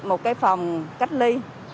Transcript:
một cái phòng cách ly